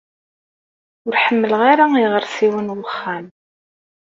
Ur ḥemmleɣ ara iɣersiwen n wexxam.